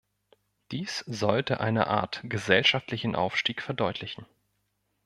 Dies sollte eine Art gesellschaftlichen Aufstieg verdeutlichen.